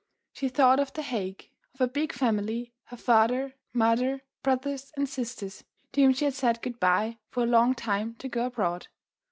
She thought of the Hague, of her big family, her father, mother, brothers and sisters, to whom she had said good bye for a long time to go abroad.